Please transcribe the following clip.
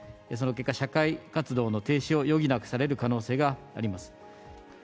その結果、社会活動の停止を余儀なくされる可能性があります。